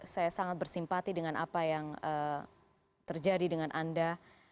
saya sangat bersimpati dengan apa yang terjadi dengan anda